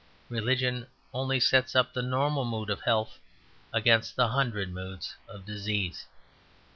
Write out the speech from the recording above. Religion only sets up the normal mood of health against the hundred moods of disease.